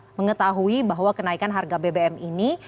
jadi kita mengetahui bahwa kenaikan harga bbm ini